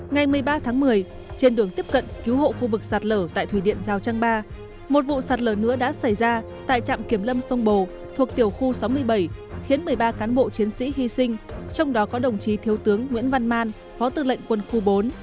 ngày một mươi ba tháng một mươi trên đường tiếp cận cứu hộ khu vực sạt lở tại thủy điện giao trang ba một vụ sạt lở nữa đã xảy ra tại trạm kiểm lâm sông bồ thuộc tiểu khu sáu mươi bảy khiến một mươi ba cán bộ chiến sĩ hy sinh trong đó có đồng chí thiếu tướng nguyễn văn man phó tư lệnh quân khu bốn